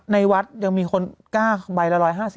ในวัดยังมีคนกากใบละ๑๕๐บาท